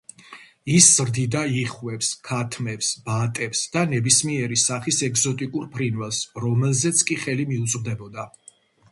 ის ზრდიდა იხვებს, ქათმებს, ბატებს და ნებისმიერი სახის ეგზოტიკურ ფრინველს, რომელზეც კი ხელი მიუწვდებოდა.